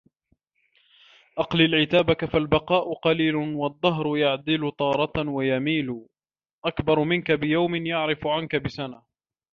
أقلل عتابك فالبقاء قليل والدهر يعدل تارة ويميل أكبر منك بيوم يعرف عنك بسنة